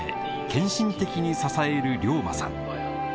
献身的に支える龍馬さん